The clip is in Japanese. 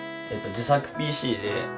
自作ＰＣで。